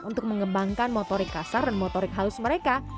untuk mengembangkan motorik kasar dan motorik halus mereka